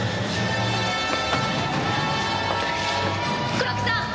黒木さん！